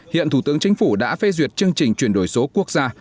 hiện thủ tướng chính phủ đã phê duyệt chương trình chuyển đổi số quốc gia